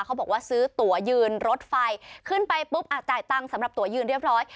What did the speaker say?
บอกว่าซื้อตัวยืนรถไฟขึ้นไปปุ๊บอ่ะจ่ายตังค์สำหรับตัวยืนเรียบร้อย